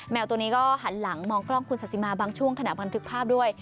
ตัวนี้ก็หันหลังมองกล้องคุณสาธิมาบางช่วงขณะบันทึกภาพด้วย